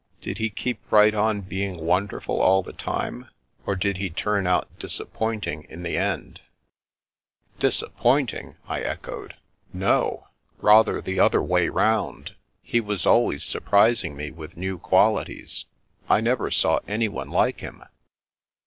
Did he keep right on being wonderful all the time, or did he turn out disappointing in the end ?" "Disappointing!" I echoed "No; rather the 330 The Princess Passes other way round. He was always surprising me with new qualities. I never saw anyone like him."